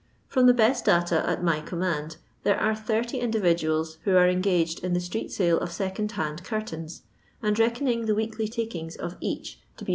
From the best data at my command there are 30 individuals who are en Siiged in the street sale of second and curtains, and reckoning the weekly takings of each to be &.